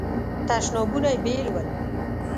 تشنابونه یې بیل ول.